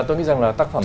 tôi nghĩ rằng là tác phẩm